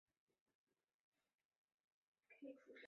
二甲苯蓝和溴酚蓝也常被用于该用途。